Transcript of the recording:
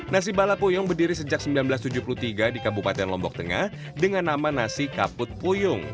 nasi balap puyung berdiri sejak seribu sembilan ratus tujuh puluh tiga di kabupaten lombok tengah dengan nama nasi kaput puyung